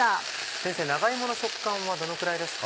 先生長芋の食感はどのくらいですか？